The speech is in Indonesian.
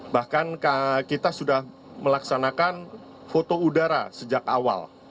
bahkan kita sudah melaksanakan foto udara sejak awal